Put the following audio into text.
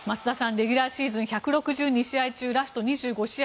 レギュラーシーズン１６２試合中ラスト２５試合